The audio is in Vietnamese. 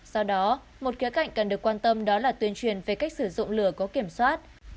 do đó một kế cạnh cần được quan tâm đó là tuyên truyền về cách sử dụng lửa có kiểm soát